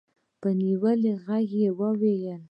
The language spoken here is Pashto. په نيولي غږ يې وويل.